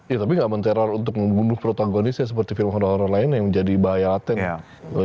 ya tapi gak men teror untuk membunuh protagonis ya seperti film horror lain yang menjadi bahaya laten